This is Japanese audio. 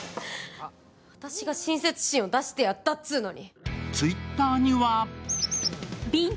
私が親切心を出してやったっつーのに。